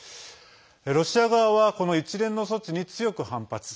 ロシア側はこの一連の措置に強く反発。